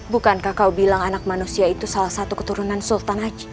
bukankah kau bilang anak manusia itu salah satu keturunan sultan haji